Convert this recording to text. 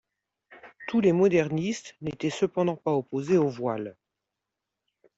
Tous les modernistes n'étaient cependant pas opposés au voile.